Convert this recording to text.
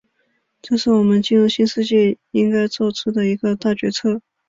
这是我们进入新世纪应该作出的一个大决策。